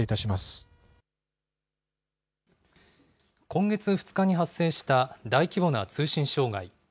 今月２日に発生した大規模な通信障害。